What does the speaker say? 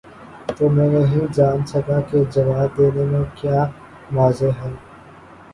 تو میں نہیں جان سکا کہ جواب دینے میں کیا مانع ہے؟